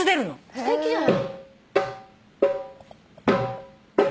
すてきじゃん。